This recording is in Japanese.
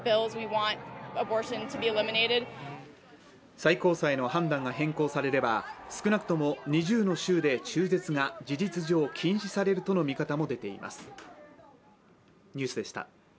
最高裁の判断が変更されれば少なくとも２０の州で中絶が事実上禁止されるとの見方も出ています。